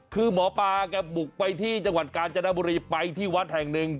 คือหมอปลาแกบุกไปที่จังหวัดกาญจนบุรีไปที่วัดแห่งหนึ่ง